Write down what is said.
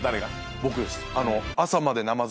僕です。